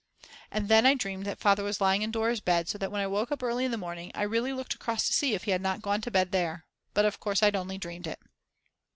And then I dreamed that Father was lying in Dora's bed so that when I woke up early in the morning I really looked across to see if he had not gone to bed there. But of course I'd only dreamed it.